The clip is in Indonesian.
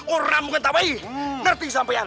orang bukan tabai nerti sampean